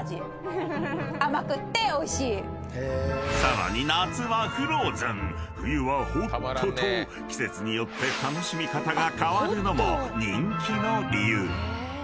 ［さらに夏はフローズン冬はホットと季節によって楽しみ方が変わるのも人気の理由］